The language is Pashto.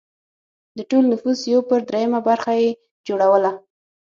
د ټول نفوس یو پر درېیمه برخه یې جوړوله